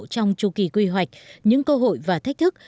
trong chu kỳ quy hoạch những cơ hội và thách thức